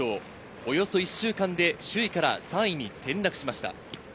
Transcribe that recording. およそ１週間で首位から３位に転落しました。